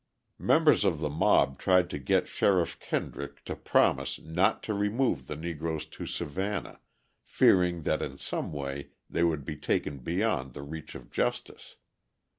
Members of the mob tried to get Sheriff Kendrick to promise not to remove the Negroes to Savannah, fearing that in some way they would be taken beyond the reach of justice.